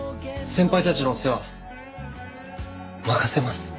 先輩たちのお世話任せます。